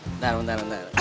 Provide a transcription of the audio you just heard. bentar bentar bentar